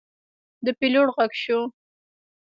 د پیلوټ غږ شو.